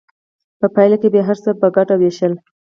په پایله کې به یې هر څه په ګډه ویشل.